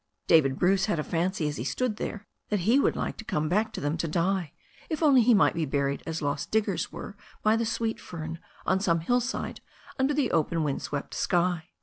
David Bruce had a fancy as he stood there that he would like to come back to them to die, if only he might be buried as lost diggers were by the sweet fern on some hillside under the open wind swept sky.